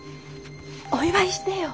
お祝いしてよ。